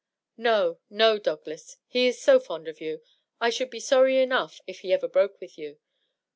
" No, no, Douglas. He is so fond of you. I should be sorry enough if he ever broke with you.